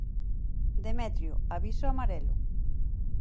Demetrio, aviso amarelo.